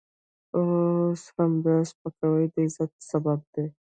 اوس همدا سپکاوی د عزت سبب دی.